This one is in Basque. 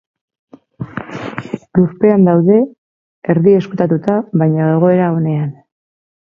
Lurpean daude, erdi ezkutatuta, baina, egoera onean.